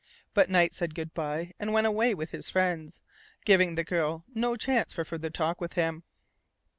But Knight said good bye, and went away with his friends, giving the girl no chance for further talk with him.